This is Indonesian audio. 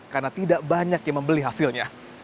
karena tidak banyak yang membeli hasilnya